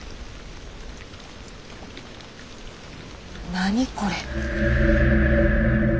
何これ？